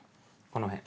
この辺。